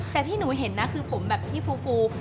แต่ที่หนูเห็นนะคือผมแบบที่ฟู